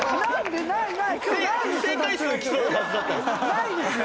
ないですよ！